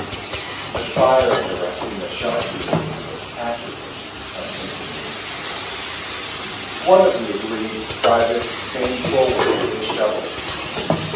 The fire of the Rostina sharpshooters was accurate and continuous. One of the aggrieved privates came forward with his shovel.